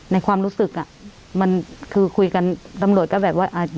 ในความรู้สึกอ่ะมันคือคุยกันตำรวจก็แบบว่า